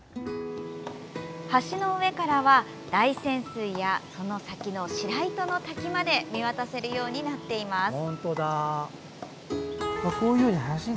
橋の上からは、大泉水やその先の白糸の滝まで見渡せるようになっています。